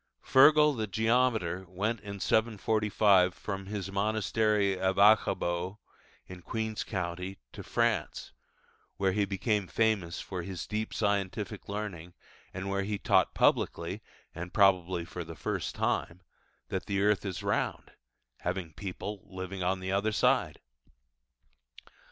'Fergil the Geometer' went in 745 from his monastery of Aghaboe in Queen's County to France, where he became famous for his deep scientific learning, and where he taught publicly and probably for the first time that the earth is round, having people living on the other side.